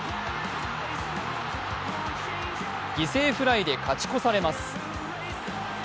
犠牲フライで勝ち越されます。